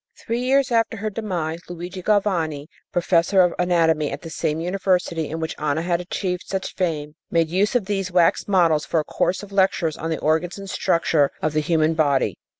Three years after her demise, Luigi Galvani, professor of anatomy in the same university in which Anna had achieved such fame, made use of these wax models for a course of lectures on the organs and structure of the human body.